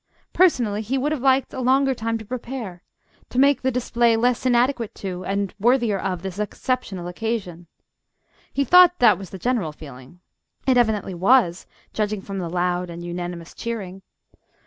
Personally, he would have liked a longer time to prepare, to make the display less inadequate to, and worthier of, this exceptional occasion. He thought that was the general feeling. (It evidently was, judging from the loud and unanimous cheering).